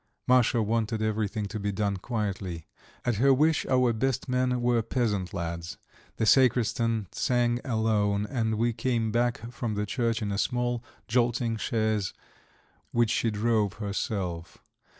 Masha wanted everything to be done quietly; at her wish our "best men" were peasant lads, the sacristan sang alone, and we came back from the church in a small, jolting chaise which she drove herself.